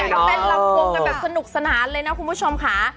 อยากเป็นหลับวงกันแบบสนุกสนานเลยนะคุณผู้ชมค่ะ